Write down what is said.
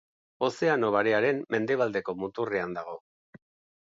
Ozeano Barearen mendebaldeko muturrean dago.